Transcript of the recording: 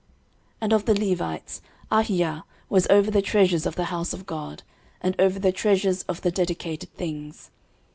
13:026:020 And of the Levites, Ahijah was over the treasures of the house of God, and over the treasures of the dedicated things.